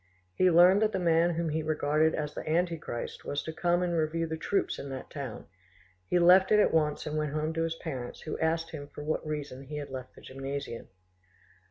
He learned that the man whom he regarded as the antichrist was to come and review the troops in that town; he left it at once and went home to his parents, who asked him for what reason he had left the gymnasium.